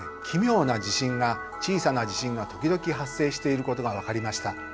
奇妙な地震が小さな地震が時々発生していることが分かりました。